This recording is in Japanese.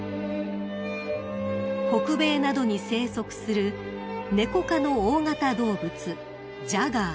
［北米などに生息するネコ科の大型動物ジャガー］